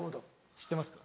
知ってますか？